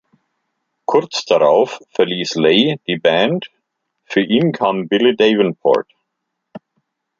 Kurz darauf verließ Lay die Band, für ihn kam Billy Davenport.